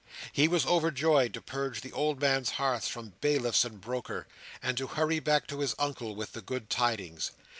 He was overjoyed to purge the old man's hearth from bailiffs and brokers, and to hurry back to his Uncle with the good tidings.